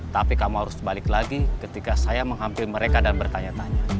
tapi kamu harus balik lagi ketika saya menghampiri mereka dan bertanya tanya